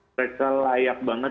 mereka layak banget